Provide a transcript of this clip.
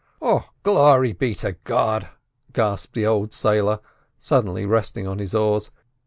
"Oh, Glory be to God!" gasped the old sailor, suddenly resting on his oars.